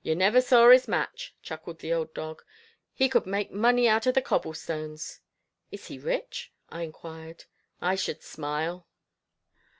"You never saw his match," chuckled the old dog. "He could make money out of the cobble stones." "Is he rich?" I enquired. "I should smile."